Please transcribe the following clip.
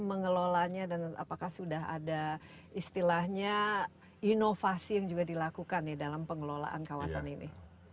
mengelolanya dan apakah sudah ada istilahnya inovasi yang juga dilakukan dalam pengelolaan kawasan ini